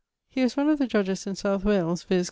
He was one of the judges in South Wales, viz.